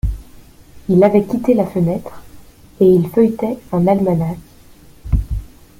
Il avait quitté la fenêtre, et il feuilletait un almanach.